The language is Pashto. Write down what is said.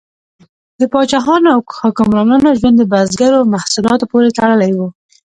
د پاچاهانو او حکمرانانو ژوند د بزګرو محصولاتو پورې تړلی و.